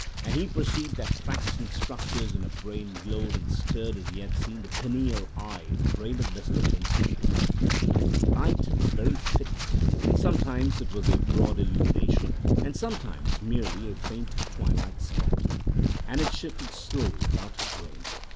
And he perceived that tracts and structures in her brain glowed and stirred as he had seen the pineal eye in the brain of Mr. Vincey glow. The light was very fitful; sometimes it was a broad illumination, and sometimes merely a faint twilight spot, and it shifted slowly about her brain.